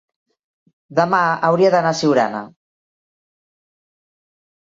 demà hauria d'anar a Siurana.